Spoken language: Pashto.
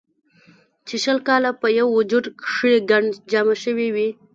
چې شل کاله پۀ يو وجود کښې ګند جمع شوے وي